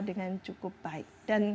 dengan cukup baik